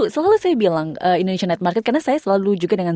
selalu saya bilang indonesian night market karena saya selalu juga dengan